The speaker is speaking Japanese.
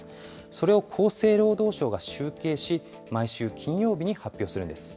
それを厚生労働省が集計し、毎週金曜日に発表するんです。